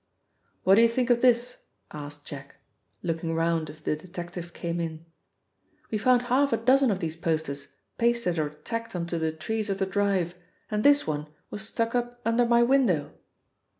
"What do you think of this?" asked Jack, looking round as the detective came in. "We found half a dozen of these posters pasted or tacked on to the trees of the drive, and this one was stuck up under my window!"